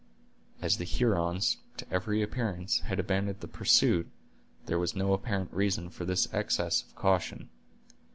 As the Hurons, to every appearance, had abandoned the pursuit, there was no apparent reason for this excess of caution.